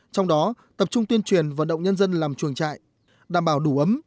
trong đó tập trung tuyên truyền vận động nhân dân làm chuồng trại đảm bảo đủ ấm